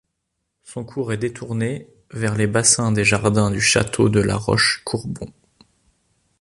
Son cours est détourné vers les bassins des jardins du Château de la Roche-Courbon.